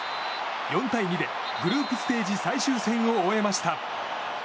４対２でグループステージ最終戦を終えました。